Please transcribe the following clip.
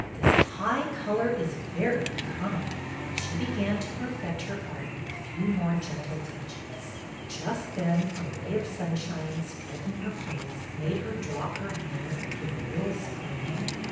This high color is very becoming." She began to perfect her art with a few more gentle touches. Just then a ray of sunshine, striking her face, made her drop her hand and give a little scream.